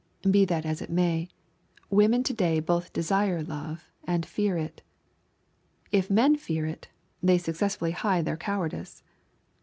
Be that as it may, women to day both desire love and fear it. If men fear it, they successfully hide their cowardice.